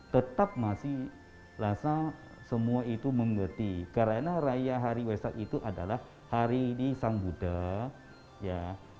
tetap masih rasa semua itu mengerti karena raya hari waisak itu adalah hari ini sang buddha ya